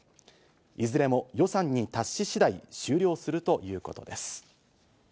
いずれも予算に達し次第終了するということです。